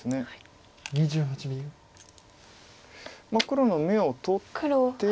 黒の眼を取って。